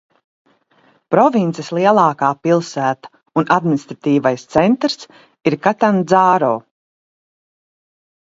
Provinces lielākā pilsēta un administratīvais centrs ir Katandzāro.